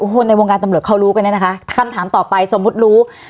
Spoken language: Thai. คนในวงการตำรวจเขารู้กันเนี่ยนะคะคำถามต่อไปสมมุติรู้